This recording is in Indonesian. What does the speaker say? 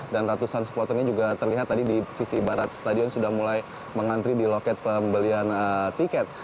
dan ratusan supporternya juga terlihat tadi di sisi barat stadion sudah mulai mengantri di loket pembelian tiket